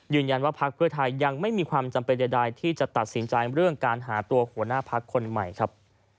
พักเพื่อไทยยังไม่มีความจำเป็นใดที่จะตัดสินใจเรื่องการหาตัวหัวหน้าพักคนใหม่ครับ